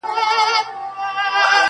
شېخ سره وښورېدی زموږ ومخته کم راغی.